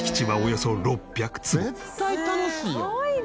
絶対楽しいやん。